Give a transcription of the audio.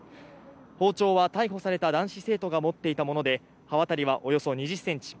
包丁は逮捕された男子生徒が持っていたもので、刃渡りはおよそ２０ｃｍ。